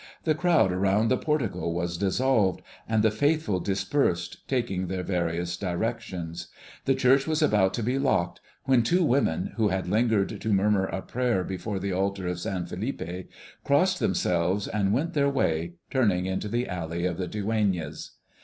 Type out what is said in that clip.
The crowd around the portico was dissolved; and the faithful dispersed, taking their various directions. The church was about to be locked when two women, who had lingered to murmur a prayer before the altar of San Felipe, crossed themselves and went their way, turning into the Alley of the Dueñas.